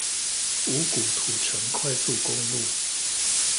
五股土城快速公路